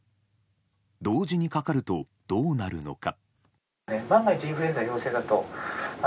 同時にかかると、どうなるのか。